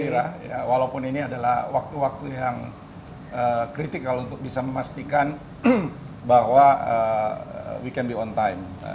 ya gembira walaupun ini adalah waktu waktu yang kritikal untuk bisa memastikan bahwa we can be on time